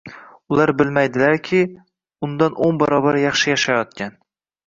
Ular bilmaydiki, undan o'n barobar yaxshi yashayotgan